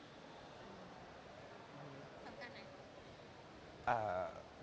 ทำการไหน